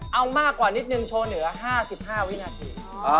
เอามากกว่านิดนึงโชว์เหนือ๕๕วินาที